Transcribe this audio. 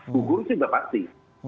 bukur juga pasti